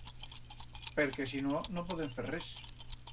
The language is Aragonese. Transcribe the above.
Perque si no, no podem fer res.